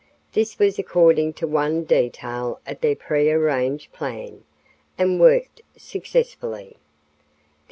This was according to one detail of their pre arranged plan, and worked successfully.